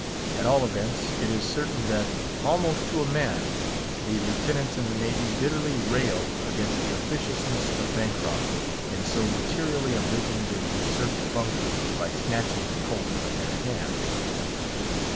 At all events, it is certain that, almost to a man, the Lieutenants in the Navy bitterly rail against the officiousness of Bancroft, in so materially abridging their usurped functions by snatching the colt from their hands.